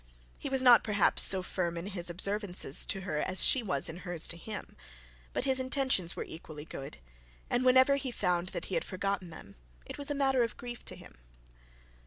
He was not perhaps so firm in his observances to her, as she was in hers to him. But his intentions were equally good, and whenever he found that he had forgotten them, it was a matter of grief to him.